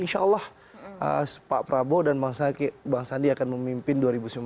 insya allah pak prabowo dan bang sandi akan memimpin dua ribu sembilan belas dua ribu dua puluh empat